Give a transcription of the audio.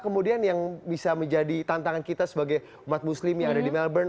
kemudian yang bisa menjadi tantangan kita sebagai umat muslim yang ada di melbourne